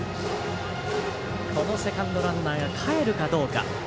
このセカンドランナーがかえるかどうか。